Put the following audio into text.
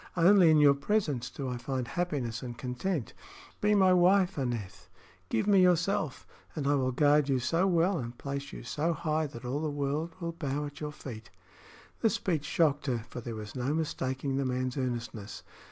Only in your presence do I find happiness and content. Be my wife, Aneth; give me yourself, and I will guard you so well and place you so high that all the world will bow at your feet." The speech shocked her, for there was no mistaking the man's earnestness.